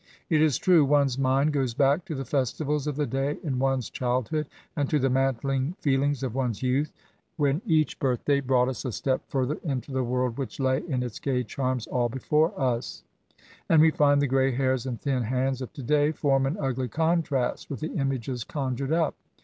It is true^ one's mind goes back to the festivals of the day in one's child hood^ and to the mantling feelings of one's youth^ when each birthday brought us a step further into the world which lay in its gay charms all before us ; and we find the gray hairs and thin hands of to day form an ugly contrast with the images con jured up.